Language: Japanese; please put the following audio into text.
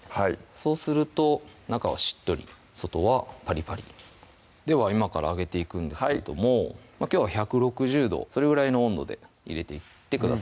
そうすると中はしっとり外はパリパリでは今から揚げていくんですけどもきょうは１６０度それぐらいの温度で入れていってください